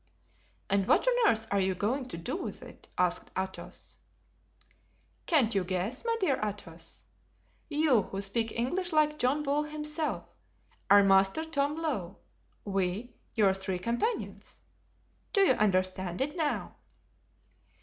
"And what on earth are you going to do with it?" asked Athos. "Can't you guess, my dear Athos? You, who speak English like John Bull himself, are Master Tom Lowe, we, your three companions. Do you understand it now?"